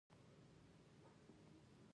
سپین ږیری د خلکو د ستونزو حل لارې لټوي